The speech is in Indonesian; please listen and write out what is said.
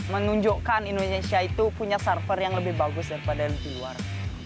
menunjukkan indonesia itu punya server yang lebih bagus daripada yang di luar